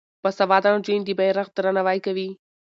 باسواده نجونې د بیرغ درناوی کوي.